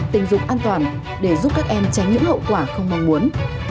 tình dục an toàn để giúp các em tránh những hậu quả không mong muốn